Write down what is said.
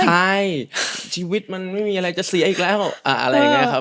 ใช่ชีวิตมันไม่มีอะไรจะเสียอีกแล้วอะไรอย่างนี้ครับ